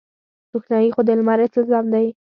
روښنايي خو د لمر التزام دی.